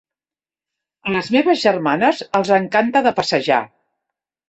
A les meves germanes, els encanta de passejar.